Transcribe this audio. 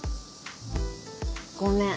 ごめん